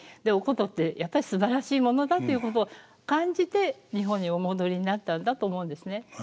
「お箏ってやっぱりすばらしいものだ」っていうことを感じて日本にお戻りになったんだと思うんですね。